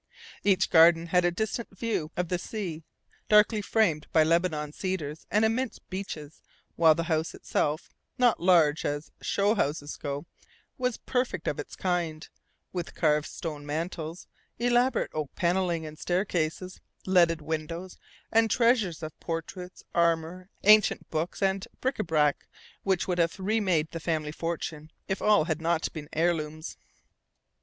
Each garden had a distant view of the sea, darkly framed by Lebanon cedars and immense beeches, while the house itself not large as "show" houses go was perfect of its kind, with carved stone mantels, elaborate oak panelling and staircases, leaded windows, and treasures of portraits, armour, ancient books, and bric à brac which would have remade the family fortune if all had not been heirlooms.